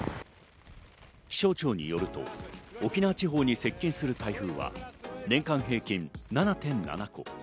気象庁によると沖縄地方に接近する台風は年間平均７．７個。